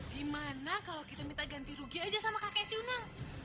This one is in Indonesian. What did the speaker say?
di mana kalau kita minta ganti rugi aja sama kakek si unang